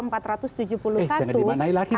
eh jangan dimaknai lagi pak